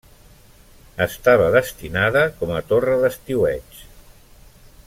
Estava destinada com a torre d'estiueig.